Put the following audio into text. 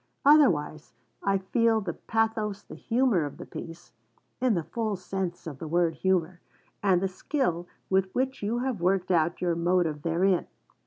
Otherwise, I feel the pathos, the humour, of the piece (in the full sense of the word humour) and the skill with which you have worked out your motive therein.